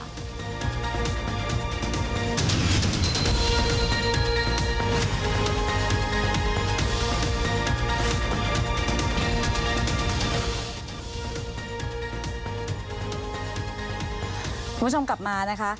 คุณผู้ชมกลับมานะคะ